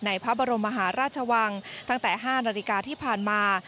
พระบรมมหาราชวังตั้งแต่๕นาฬิกาที่ผ่านมา